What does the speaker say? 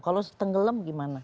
kalau tenggelam gimana